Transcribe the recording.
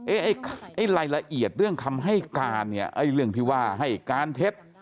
ไอ้รายละเอียดเรื่องคำให้การเนี่ยไอ้เรื่องที่ว่าให้การเท็จ